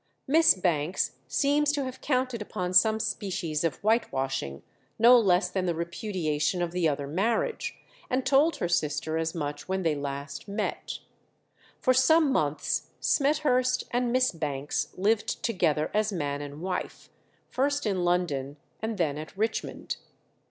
Miss Bankes seems to have counted upon some species of whitewashing, no less than the repudiation of the other marriage, and told her sister as much when they last met. For some months Smethurst and Miss Bankes lived together as man and wife, first in London, and then at Richmond.